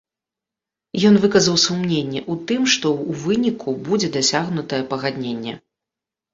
Ён выказаў сумненне ў тым, што ў выніку будзе дасягнутае пагадненне.